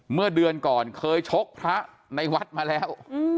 เมื่อเดือนก่อนเคยชกพระในวัดมาแล้ว